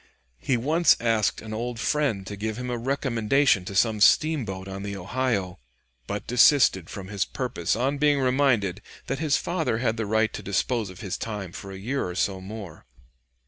He once asked an old friend to give him a recommendation to some steamboat on the Ohio, but desisted from his purpose on being reminded that his father had the right to dispose of his time for a year or so more.